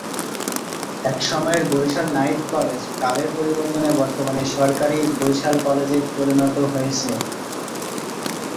এক সময়ের ‘Barishal night college’ কালের পরিবর্তনে বর্তমানে ‘সরকারি বরিশাল কলেজে’ পরিণত হয়েছে।